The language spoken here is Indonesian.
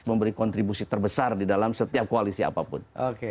memberi kontribusi terbesar di dalam setiap koalisi apapun